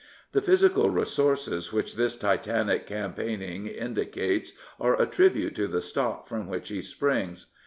The physical resources which this Titanic campaign ing indicates are a tribute to the stock from which he springs.